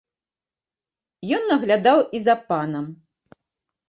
Ён наглядаў і за панам.